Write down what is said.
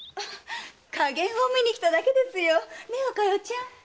加減を見に来ただけですよ。ねえお加代ちゃん？